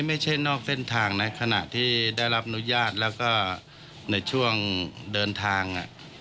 ไม่ใช่นอกเส้นทางนะขณะที่ได้รับอนุญาตแล้วก็ในช่วงเดินทาง